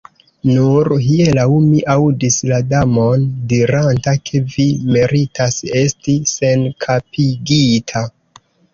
Nur hieraŭ mi aŭdis la Damon diranta ke vi meritas esti senkapigita.